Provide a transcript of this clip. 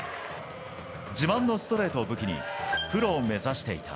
自慢のストレートを武器に、プロを目指していた。